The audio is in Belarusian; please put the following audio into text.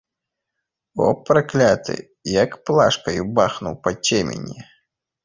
О, пракляты, як плашкаю бахнуў па цемені.